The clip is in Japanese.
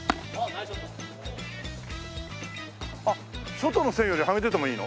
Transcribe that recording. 外の線よりはみ出てもいいの？